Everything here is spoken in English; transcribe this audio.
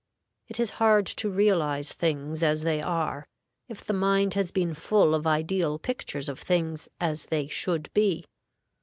It is hard to realize things as they are, if the mind has been full of ideal pictures of things as they should be.